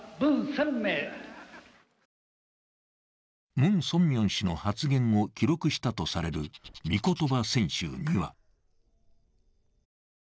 ムン・ソンミョン氏の発言を記録したとされる御言葉